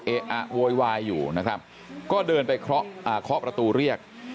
อะโวยวายอยู่นะครับก็เดินไปเคาะประตูเรียก